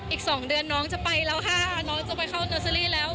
อีก๒เดือนน้องจะไปแล้วค่ะน้องจะไปเข้าเนอร์เซอรี่แล้ว